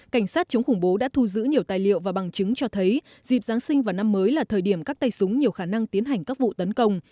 cảnh sát chống khủng bố đã thu giữ nhiều tài liệu và bằng chứng cho thấy dịp giáng sinh và năm mới là thời điểm các tay súng nhiều khả năng tiến hành các vụ tấn công